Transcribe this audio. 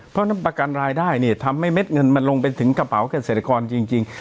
เพราะฉะนั้นประกันรายได้เนี่ยทำให้เม็ดเงินมันลงไปถึงกระเป๋าเกษตรกรจริง